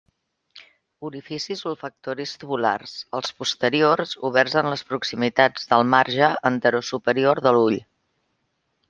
Orificis olfactoris tubulars; els posteriors, oberts en les proximitats del marge anterosuperior de l'ull.